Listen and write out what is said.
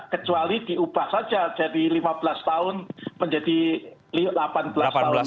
kecuali diubah saja dari lima belas tahun menjadi delapan belas tahun